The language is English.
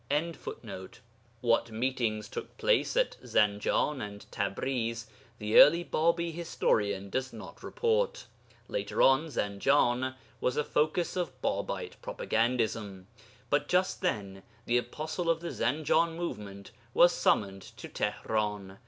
]What meetings took place at Zanjan and Tabriz, the early Bābi historian does not report; later on, Zanjan was a focus of Bābite propagandism, but just then the apostle of the Zanjan movement was summoned to Tihran.